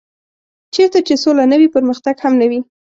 چېرته چې سوله نه وي پرمختګ به هم نه وي.